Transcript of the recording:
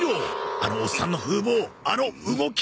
あのおっさんの風貌あの動き。